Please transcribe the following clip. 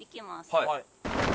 はい。